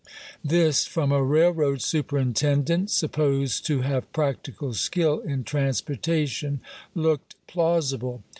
This, from a railroad superintendent supposed to have practical skill in transportation, looked plau sible.